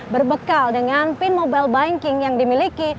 berbekal dengan pin mobile banking yang dimiliki